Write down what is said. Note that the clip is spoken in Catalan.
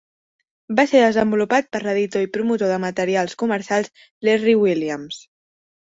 Va ser desenvolupat per l'editor i promotor de materials comercials, Larry Williams.